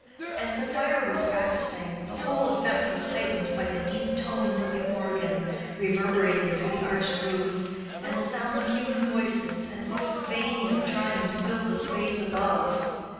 As the choir was practicing, the whole effect was heightened by the deep tones of the organ reverberating through the arched roof, and the sound of human voices as if vainly trying to fill the vast space above.